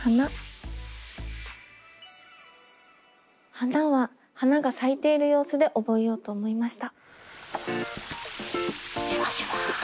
「花」は花が咲いている様子で覚えようと思いました。